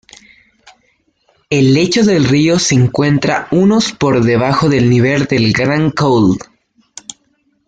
El lecho del río se encuentra unos por debajo del nivel del Grand Coulee.